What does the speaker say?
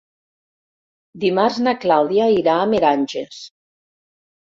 Dimarts na Clàudia irà a Meranges.